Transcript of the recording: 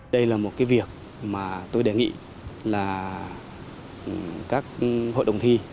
đây là một cái việc mà tôi đề nghị là các hội đồng thi